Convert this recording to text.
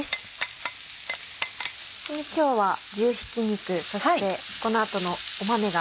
今日は牛ひき肉そしてこの後の豆が。